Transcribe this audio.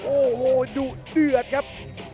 โอ้โหดุเดือดครับ